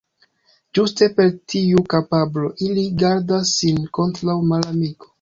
Ĝuste per tiu kapablo ili gardas sin kontraŭ malamiko.